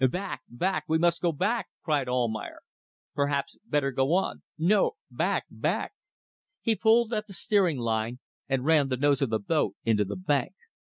"Back! back! We must go back!" cried Almayer. "Perhaps better go on." "No; back! back!" He pulled at the steering line, and ran the nose of the boat into the bank.